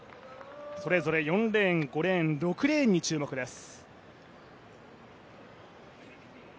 それぞれ４レーン、５レーン、６レーンに注目です。